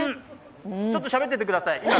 ちょっとしゃべっててください。